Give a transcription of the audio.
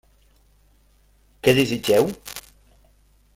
Què desitgeu?